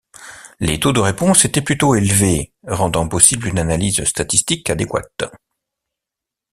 Les taux de réponse étaient plutôt élevés, rendant possible une analyse statistique adéquate.